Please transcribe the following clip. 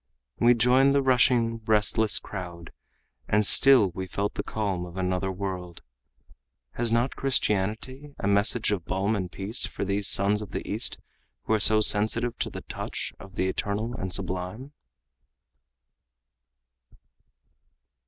We joined the rushing, restless crowd and still we felt the calm of another world. Has not Christianity a message of balm and peace for these sons of the East who are so sensitive to the touch of the eternal and sublime?